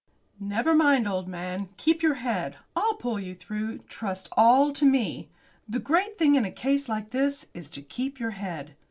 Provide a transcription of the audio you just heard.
"Never mind, old man. Keep your head; I'll pull you through. Trust all to me. The great thing in a case like this is to keep your head.